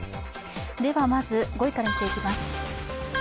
ではまず、５位から見ていきます。